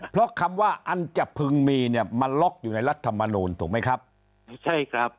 เพราะคำว่าอันจะพึงมีมันล็อกอยู่ในรัฐมนูลถูกมั้ยครับ